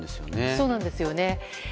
そうなんですよね。